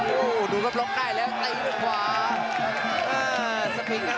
โอ้โหดูกำลังได้แล้วตีด้วยขวา